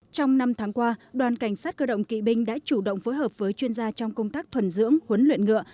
trong năm tháng qua đoàn cảnh sát cơ động kỵ binh đã chủ động phối hợp với chuyên gia trong công tác thuần dưỡng huấn luyện ngựa